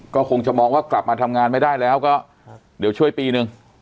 ก็คงจะมองว่ากลับมาทำงานไม่ได้แล้วก็เดี๋ยวช่วยปีนึง